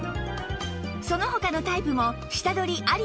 その他のタイプも下取りありの場合